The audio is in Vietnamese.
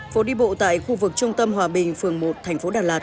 phố đi bộ tại khu vực trung tâm hòa bình phường một thành phố đà lạt